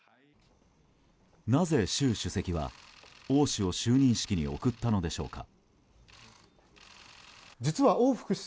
なぜ習主席は王氏を就任式に送ったのでしょうか。